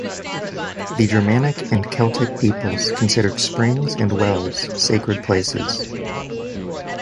The Germanic and Celtic peoples considered springs and wells sacred places.